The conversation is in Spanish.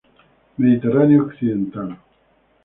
Mediterráneo Occidental.